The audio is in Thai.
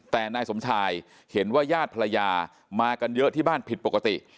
แต่นายสมชายเห็นว่าญาติภรรยามากันเยอะที่บ้านผิดปกติ